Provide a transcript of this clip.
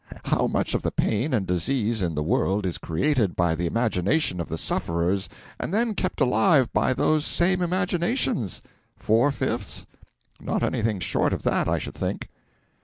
How much of the pain and disease in the world is created by the imaginations of the sufferers, and then kept alive by those same imaginations? Four fifths? Not anything short of that I should think.